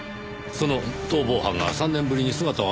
その逃亡犯が３年ぶりに姿を現した？